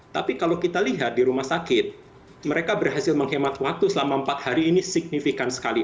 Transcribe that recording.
tapi kalau kita lihat di rumah sakit mereka berhasil menghemat waktu selama empat hari ini signifikan sekali